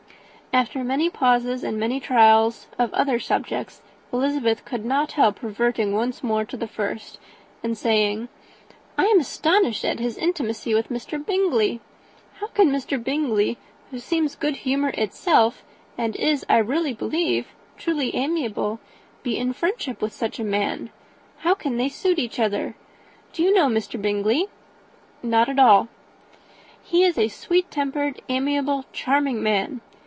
After many pauses and many trials of other subjects, Elizabeth could not help reverting once more to the first, and saying, "I am astonished at his intimacy with Mr. Bingley. How can Mr. Bingley, who seems good humour itself, and is, I really believe, truly amiable, be in friendship with such a man? How can they suit each other? Do you know Mr. Bingley?" "Not at all." "He is a sweet tempered, amiable, charming man.